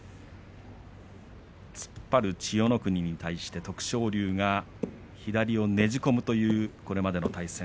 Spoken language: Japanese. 突っ張る千代丸に対して徳勝龍が左をねじ込むというこれまでの対戦。